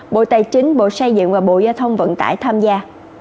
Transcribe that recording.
bộ tài chính bộ xây dựng và bộ giao thông vận tải tham gia